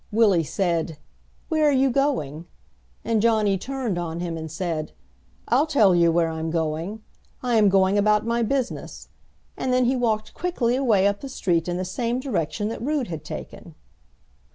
Willie said, 'Where are you going?' and Johnny turned on him and said, 'I'll tell you where I'm going I am going about my business!' and then he walked quickly away up the street in the same direction that Rood had taken.